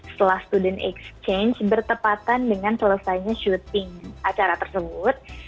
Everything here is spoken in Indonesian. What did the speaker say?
setelah student exchange bertepatan dengan selesainya syuting acara tersebut